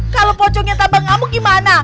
kalau pocongnya tabang ngamuk gimana